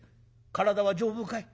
「体は丈夫かい？」。